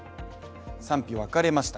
賛否、分かれました。